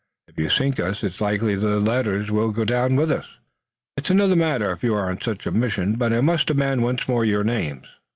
If you sink us it's likely the letters will go down with us." "It's another matter if you are on such a mission, but I must demand once more your names."